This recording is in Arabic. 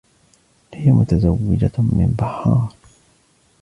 هىَ متزوجة من بحار.